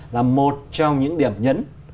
là một trong những điểm nhấn